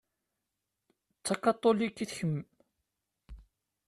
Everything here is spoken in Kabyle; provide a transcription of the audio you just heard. D takatulikt kemm?